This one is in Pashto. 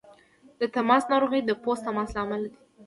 د تماس ناروغۍ د پوست تماس له امله دي.